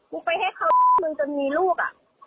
ไปให้เขามึงจนมีลูกอ่ะ